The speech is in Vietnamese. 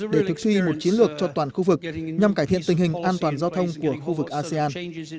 để thực phi một chiến lược cho toàn khu vực nhằm cải thiện tình hình an toàn giao thông của khu vực asean